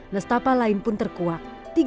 nestapa lain pun terkuak